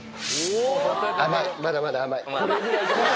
甘い、まだまだ甘い。